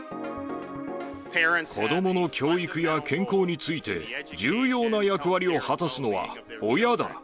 子どもの教育や健康について、重要な役割を果たすのは、親だ。